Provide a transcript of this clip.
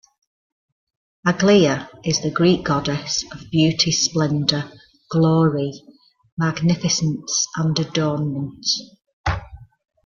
Aglaea is the Greek goddess of beauty, splendor, glory, magnificence, and adornment.